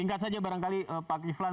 singkat saja barangkali pak kiflan